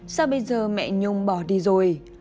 sao bây giờ mẹ nhung bỏ đi rồi